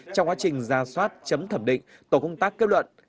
trong quá trình ra soát chấm thẩm định tổ công tác kết luận